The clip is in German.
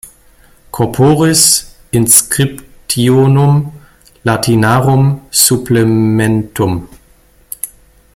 Corporis inscriptionum latinarum supplementum".